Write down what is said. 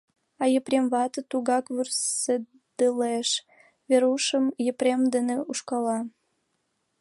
А Епрем вате тугак вурседылеш, Верушым Епрем дене ушкала.